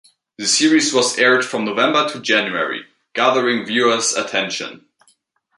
The series was aired from November to January, gathering viewers attention.